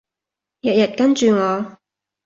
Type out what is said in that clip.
日日跟住我